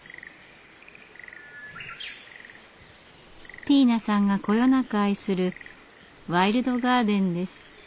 ティーナさんがこよなく愛するワイルドガーデンです。